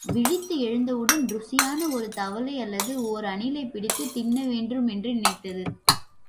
விழித்து எழுந்தவுடன், ருசியான ஒரு தவளை அல்லது ஒர் அணிலைப் பிடித்துத் தின்ன வேண்டுமென்று நினைத்தது.